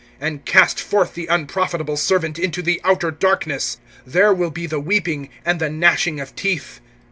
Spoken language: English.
(30)And cast forth the unprofitable servant into the outer darkness. There will be the weeping, and the gnashing of teeth!